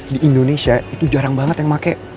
di indonesia itu jarang banget yang pakai